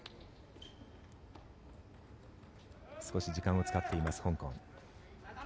少し時間を使っています、香港。